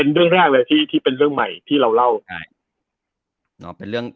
เป็นเรื่องแรกเลยที่เป็นเรื่องใหม่ที่เราเล่า